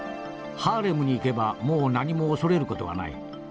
『ハーレムに行けばもう何も恐れる事はない。